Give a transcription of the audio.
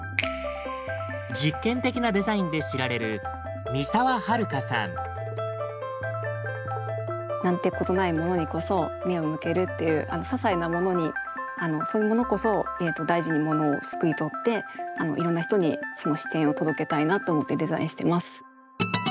実験的なデザインで知られるなんてことないものにこそ目を向けるっていう些細なものにそういうものこそ大事にものをすくい取っていろんな人にその視点を届けたいなと思ってデザインしてます。